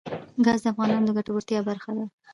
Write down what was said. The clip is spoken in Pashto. ګاز د افغانانو د ګټورتیا برخه ده.